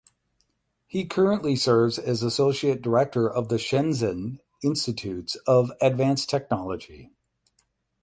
He currently serves as Associate Director of the Shenzhen Institutes of Advanced Technology.